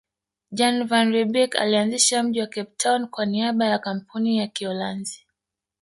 Jan van Riebeeck alianzisha mji wa Cape Town kwa niaba ya Kampuni ya Kiholanzi